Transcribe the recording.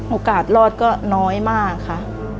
โอกาสรอดก็น้อยมากค่ะ